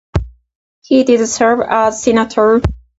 He did serve as senator.